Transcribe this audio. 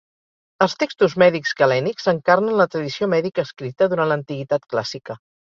Els textos mèdics galènics encarnen la tradició mèdica escrita durant l'antiguitat clàssica.